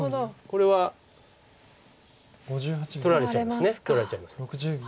これは取られちゃいます。